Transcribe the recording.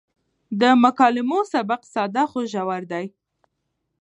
د مکالمو سبک ساده خو ژور دی.